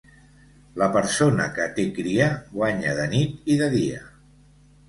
La persona que té cria, guanya de nit i de dia.